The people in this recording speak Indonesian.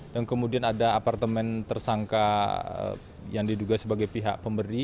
dan kemudian ada apartemen tersangka yang diduga sebagai pihak